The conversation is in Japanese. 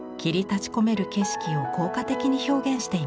立ち込める景色を効果的に表現しています。